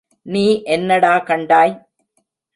நீ என்னடா கண்டாய்?